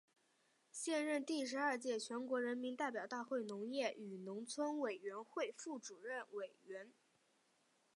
现任第十二届全国人民代表大会农业与农村委员会副主任委员。